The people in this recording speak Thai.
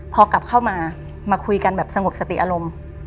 พอกลับเข้ามามาคุยกันแบบสงบสติอารมณ์